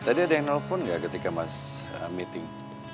tadi ada yang nelfon nggak ketika mas meeting